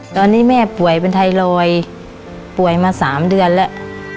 ตอนนี้แม่ป่วยเป็นไทรอยด์ป่วยมา๓เดือนแล้ว